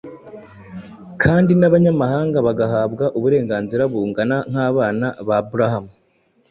kandi n’abanyamahanga bagahabwa uburenganzira bungana nk’abana ba Aburahamu